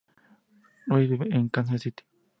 Luis vive en "Kansas City".